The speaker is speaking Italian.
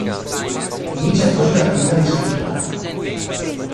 Inizia così l'attività di scrittore.